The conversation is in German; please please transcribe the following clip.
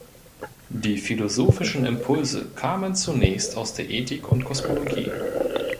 Die philosophischen Impulse kamen zunächst aus der Ethik und Kosmologie.